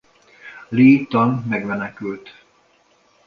Li Tan megmenekült.